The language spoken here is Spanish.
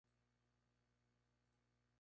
Allí le sorprendió la Guerra Civil Española.